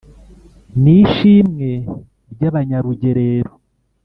n' ishimwe ry' abanyarugerero